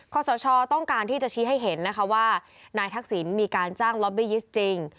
สชต้องการที่จะชี้ให้เห็นนะคะว่านายทักษิณมีการจ้างล็อบบี้ยิสต์จริง